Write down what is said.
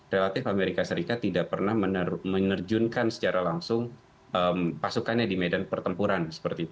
relatif amerika serikat tidak pernah menerjunkan secara langsung pasukannya di medan pertempuran